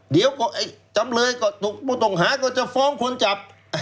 เดี๋ยวต่งหาก็จะฟ้องคนจับ